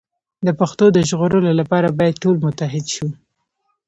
د پښتو د ژغورلو لپاره باید ټول متحد شو.